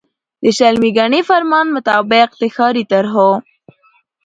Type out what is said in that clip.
د شلمي ګڼي فرمان مطابق د ښاري طرحو